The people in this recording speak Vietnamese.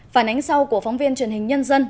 phản ánh sau của phóng viên truyền hình nhân dân